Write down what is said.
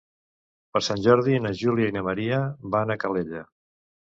Per Sant Jordi na Júlia i na Maria van a Calella.